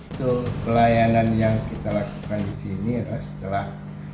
itu pelayanan yang kita lakukan di sini adalah setelah